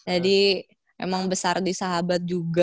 jadi emang besar di sahabat juga